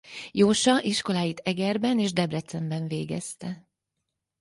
Jósa iskoláit Egerben és Debrecenben végezte.